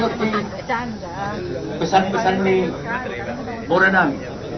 sudah kita bisa berbual